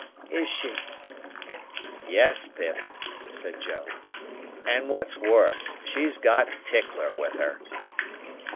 "Is she?" "Yes, Pip," said Joe; "and what's worse, she's got Tickler with her."